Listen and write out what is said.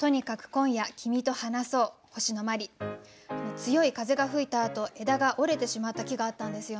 強い風が吹いたあと枝が折れてしまった木があったんですよね。